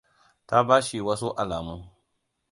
Ta ba shi wasu alamu.